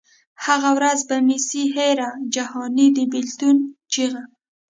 هغه ورځ به مي سي هېره جهاني د بېلتون چیغه